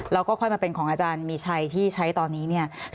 แล้วก็ค่อยมาเป็นของอาจารย์มีชัยที่ใช้ตอนนี้เนี่ย